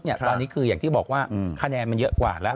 ตอนนี้คืออย่างที่บอกว่าคะแนนมันเยอะกว่าแล้ว